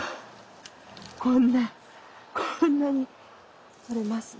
こんなこんなにとれますね。